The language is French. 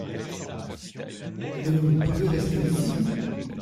Mais vous ne pouvez rester ici !